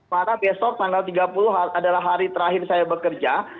maka besok tanggal tiga puluh adalah hari terakhir saya bekerja